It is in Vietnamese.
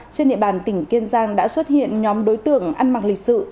trên địa bàn tỉnh kiên giang đã xuất hiện nhóm đối tượng ăn mặc lịch sự